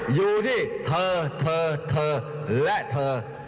หยุดที่เธอเธอเธอและเธอ